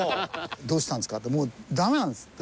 「どうしたんですか？」って「もうダメなんです」って。